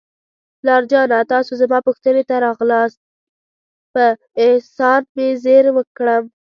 پلار جانه، تاسو زما پوښتنې ته راغلاست، په احسان مې زیر کړم.